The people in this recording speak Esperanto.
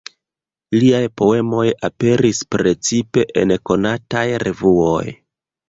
Liaj poemoj aperis precipe en konataj revuoj.